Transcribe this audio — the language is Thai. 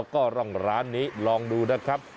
ก็ลองร้านนี้ลองดูนะครับ